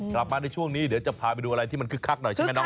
กลับมาในช่วงนี้เดี๋ยวจะพาไปดูอะไรที่มันคึกคักหน่อยใช่ไหมน้อง